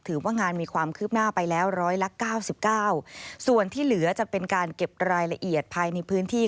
ถือว่างานมีความคืบหน้าไปแล้วร้อยละเก้าสิบเก้าส่วนที่เหลือจะเป็นการเก็บรายละเอียดภายในพื้นที่